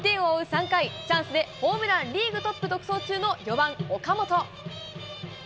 ３回、チャンスでホームランリーグトップ独走中の４番岡本。